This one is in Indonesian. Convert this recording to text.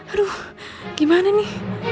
aduh gimana nih